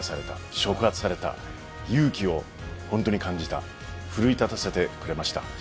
触発された勇気を本当に感じた奮い立たせてくれました。